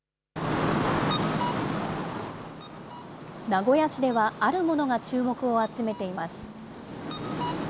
名古屋市では、あるものが注目を集めています。